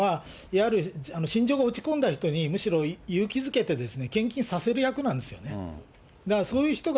このケアふじんというのは、やはり心情が落ち込んだ人にむしろ勇気づけて、献金させる役なんですよね。